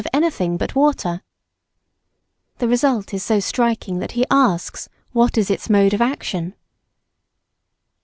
of anything but water," the result is so striking that he asks what is its mode of action?